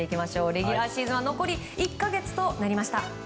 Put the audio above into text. レギュラーシーズンも１か月となりました。